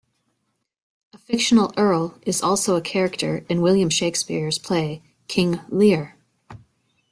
A fictional earl is also a character in William Shakespeare's play King Lear.